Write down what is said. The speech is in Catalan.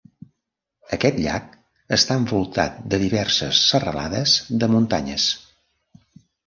Aquest llac està envoltat de diverses serralades de muntanyes.